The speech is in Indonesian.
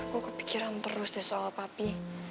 aku kepikiran terus deh soal papi